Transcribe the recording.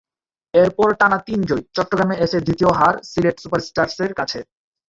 এরপর টানা তিন জয়, চট্টগ্রামে এসে দ্বিতীয় হার সিলেট সুপারস্টারসের কাছে।